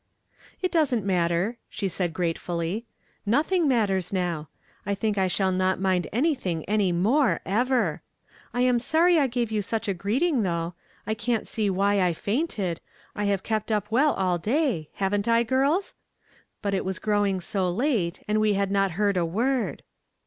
" It doesn't matter," she said gratefully. "Nothing matters now. I think I shall not mind anything any more, ever ! I am sorry I gave you such a greeting, though ; I can't see Avhy I fainted ; I have kept up well all day, haven't I, girls ? But it was growing so late, and we had not heard a word."